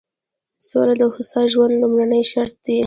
سوله د هوسا ژوند لومړنی شرط دی.